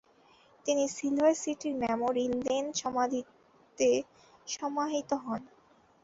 তিনি সিলভার সিটির memory lane সমাধিতে সমাহিত হন।